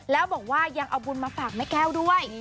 แล้วบอกว่ายังเอาบุญมาฝากแม่แก้วด้วย